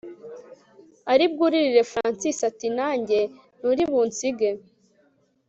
aribwuririre Francis ati najye nturibunsige